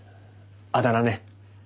あだ名ね。